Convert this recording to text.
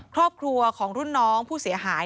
ครอบครัวของรุ่นน้องผู้เสียหาย